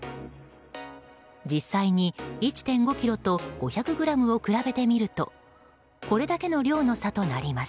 実際に１．５ｋｇと５００ｇを比べてみるとこれだけの量の差となります。